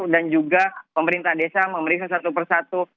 juga pemerintah desa memeriksa satu persatu